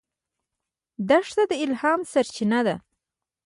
دښته د الهام سرچینه ده.